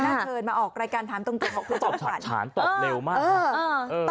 ถ้าเกิดมาออกรายการถามตรงตรงของคุณตอบชาญตอบเร็วมากเออเออ